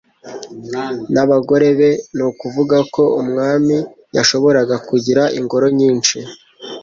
n'abagore be, ni ukuvuga ko umwami yashoboraga kugira ingoro nyinshi,